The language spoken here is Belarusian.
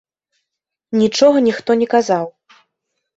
Нічога ніхто не казаў.